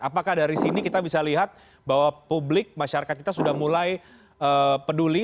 apakah dari sini kita bisa lihat bahwa publik masyarakat kita sudah mulai peduli